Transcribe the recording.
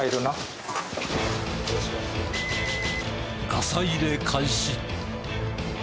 ガサ入れ開始。